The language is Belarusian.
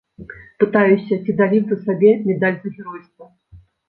Пытаюся, ці далі б вы сабе медаль за геройства?